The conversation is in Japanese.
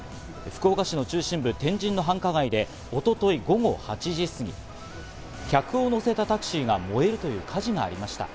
福岡市の中心部、天神の繁華街で一昨日午後８時すぎ、客を乗せたタクシーが燃えるという火事がありました。